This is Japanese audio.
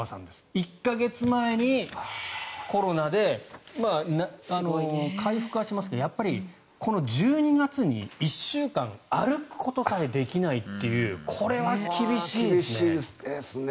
１か月前にコロナで回復はしましたけどやっぱりこの１２月に１週間歩くことさえできないというこれは厳しいですね。